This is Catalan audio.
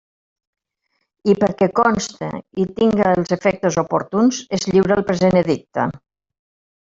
I perquè conste i tinga els efectes oportuns, es lliura el present edicte.